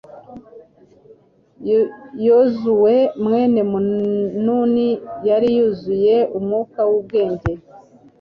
yozuwe mwene nuni yari yuzuye umwuka w'ubwenge